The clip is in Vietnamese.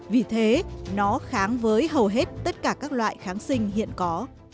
vì thế nó kháng với hầu hết tất cả các loại kháng sinh hiện có